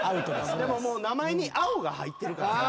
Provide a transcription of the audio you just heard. でももう名前に青が入ってるから。